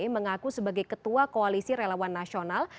mengaku sebagai ketua koalisi relawan nasional